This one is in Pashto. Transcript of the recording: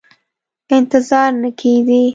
انتظار نه کېدی.